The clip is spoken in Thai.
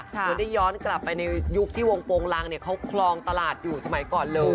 เดี๋ยวได้ย้อนกลับไปในยุคที่วงโปรงรังเขาคลองตลาดอยู่สมัยก่อนเลย